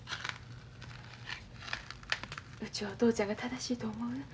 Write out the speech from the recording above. うちはお父ちゃんが正しいと思う。